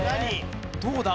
どうだ？